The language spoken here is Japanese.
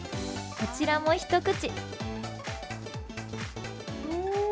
こちらも一口。